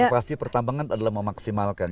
konservasi pertambangan adalah memaksimalkan